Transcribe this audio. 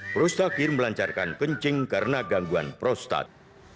prostakir melancarkan kencing karena gangguan prostat